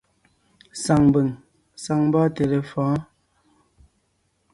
Saŋ mbʉ̀ŋ, saŋ mbɔ́ɔnte lefɔ̌ɔn.